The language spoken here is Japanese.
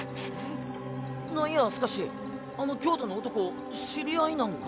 なんやスカシあの京都の男知り合いなんか？